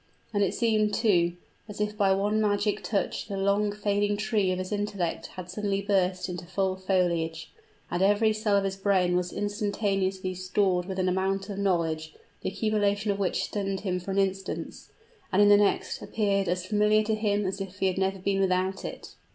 And it seemed, too, as if by one magic touch the long fading tree of his intellect had suddenly burst into full foliage, and every cell of his brain was instantaneously stored with an amount of knowledge, the accumulation of which stunned him for an instant, and in the next appeared as familiar to him as if he had never been without it.